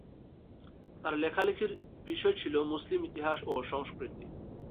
তার লেখালেখির বিষয় ছিল মুসলিম ইতিহাস ও সংস্কৃতি।